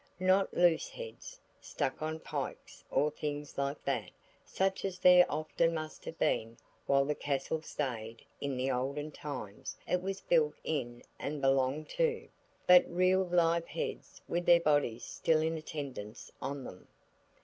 Not loose heads, stuck on pikes or things like that such as there often must have been while the castle stayed in the olden times it was built in and belonged to, but real live heads with their bodies still in attendance on them.